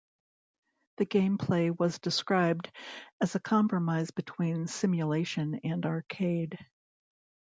The gameplay was described as a compromise between simulation and arcade.